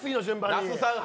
那須さん